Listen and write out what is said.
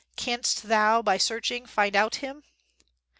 "Canst thou by searching find out Him?"